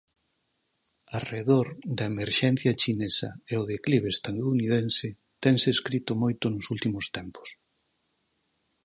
Arredor da emerxencia chinesa e o declive estadounidense tense escrito moito nos últimos tempos.